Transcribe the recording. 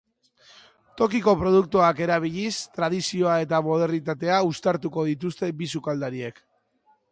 Tokiko produktuak erabiliz, tradizioa eta modernitatea uztartuko dituzte bi sukaldariek.